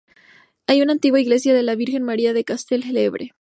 Hay una antigua iglesia de la Virgen María de Castell-llebre.